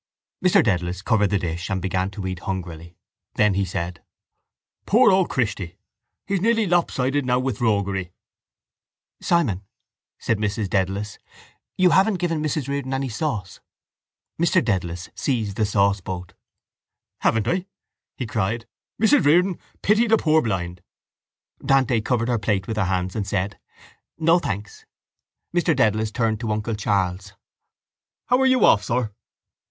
Mr Dedalus covered the dish and began to eat hungrily. Then he said: —Poor old Christy, he's nearly lopsided now with roguery. —Simon, said Mrs Dedalus, you haven't given Mrs Riordan any sauce. Mr Dedalus seized the sauceboat. —Haven't I? he cried. Mrs Riordan, pity the poor blind. Dante covered her plate with her hands and said: —No, thanks. Mr Dedalus turned to uncle Charles. —How are you off, sir?